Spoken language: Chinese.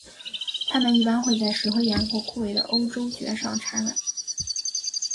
它们一般会在石灰岩或枯萎的欧洲蕨上产卵。